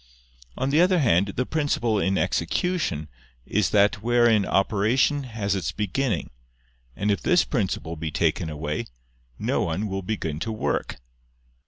On the other hand, the principle in execution is that wherein operation has its beginning; and if this principle be taken away, no one will begin to work.